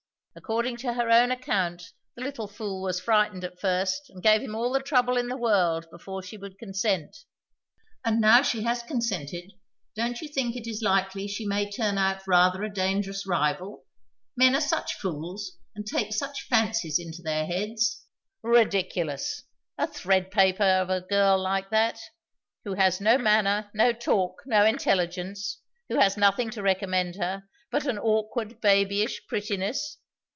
According to her own account the little fool was frightened at first, and gave him all the trouble in the world before she would consent." "And now she has consented, don't you think it likely she may turn out rather a dangerous rival? Men are such fools, and take such fancies into their heads " "Ridiculous! A thread paper of a girl like that, who has no manner, no talk, no intelligence; who has nothing to recommend her but an awkward, babyish prettiness!